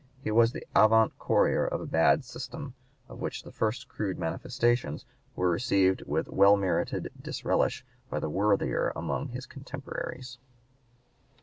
He was the avant courier of a bad system, of which the first crude manifestations were received with well merited disrelish by the worthier among his contemporaries.